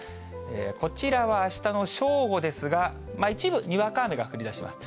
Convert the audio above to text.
こちらはあしたの正午ですが、一部、にわか雨が降りだします。